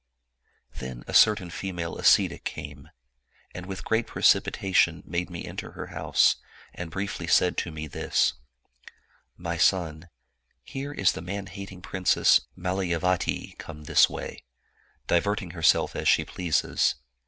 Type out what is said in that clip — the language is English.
Then a certain female ascetic came and with great precipitation made me enter her house, and briefly said to me this, * My son, here is the man hating princess Malayavati come this way, diverting herself as she pleases.